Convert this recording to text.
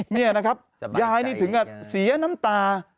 นี่นะครับยายนี่ถึงกับเสียน้ำตา